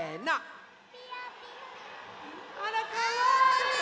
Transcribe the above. あらかわいい！